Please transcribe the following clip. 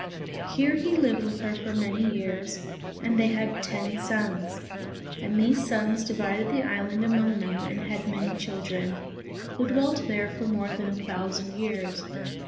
Here he lived with her for many years, and they had ten sons; and these sons divided the island among them and had many children, who dwelt there for more than a thousand years.